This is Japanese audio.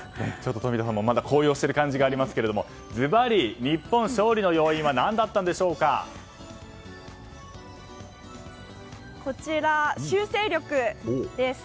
冨田さんもまだ高揚している感じがありますがずばり日本勝利の要因は修正力です。